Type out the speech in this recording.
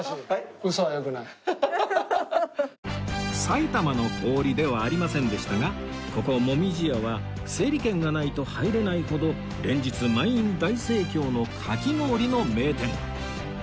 埼玉の氷ではありませんでしたがここ椛屋は整理券がないと入れないほど連日満員大盛況のかき氷の名店